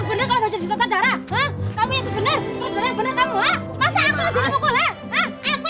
bener bener kelewatan ada setiap di kampung kita syukur kita sama allah